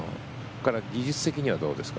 技術的にはどうですか？